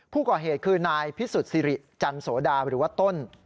ผู้ก่อเหตุคือนายพิสุทธิ์สิริจันโสดาหรือว่าต้น